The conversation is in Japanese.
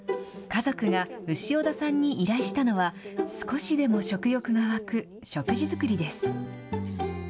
家族が潮田さんに依頼したのは、少しでも食欲が湧く食事作りです。